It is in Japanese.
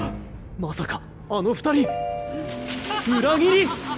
まさかあの二人裏切り⁉